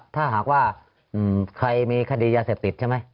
ถ้าหากว่าใครมีคดียาเสพติดใช่ไหม